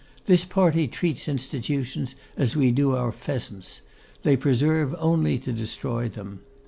This party treats institutions as we do our pheasants, they preserve only to destroy them.